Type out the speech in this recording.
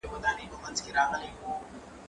دا فکر له هغه مهم دی؟